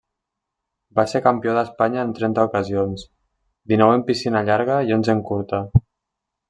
Va ser campió d'Espanya en trenta ocasions, dinou en piscina llarga i onze en curta.